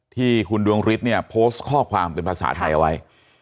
ที่คุณดวงฤทธิ์เนี่ยโพสต์ข้อความเป็นภาษาไทยเอาไว้